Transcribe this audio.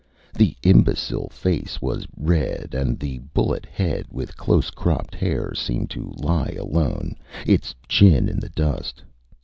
The imbecile face was red, and the bullet head with close cropped hair seemed to lie alone, its chin in the dust.